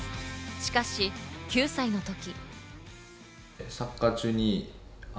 しかし９歳のとき。